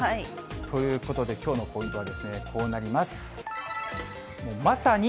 ということで、きょうのポイントはこうなります。